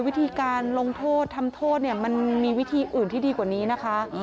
วิธีการลงโทษทำโทษเนี่ยมันมีวิธีอื่นที่ดีกว่านี้นะคะ